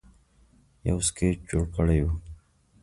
یو سکیچ جوړ کړی وو